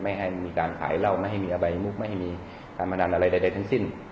ไม่ให้มีการขายเหล้าไม่ให้มีอบายมุกไม่ให้มีการพนันอะไรใดทั้งสิ้น